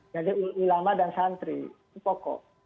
jadi ulama dan santri itu pokok